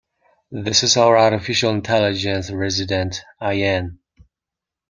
This is our Artificial Intelligence Resident, Ayaan.